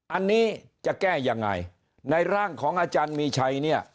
อันนี้จะแก้อย่างไรในร่างของอาจารย์มีชัย